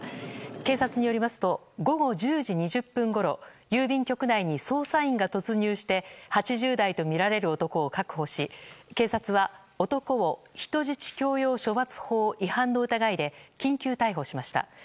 警察によりますと午後１０時２０分ごろ郵便局内に捜査員が突入して８０代とみられる男を確保し警察は男を人質強要処罰法違反の疑いで、緊急逮捕しました。